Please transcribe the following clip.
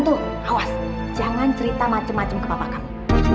jangan bercerita macam macam ke papa kamu